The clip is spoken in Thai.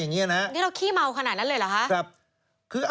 อันดับสี่ขนาดแน่เลยหรอค่ะ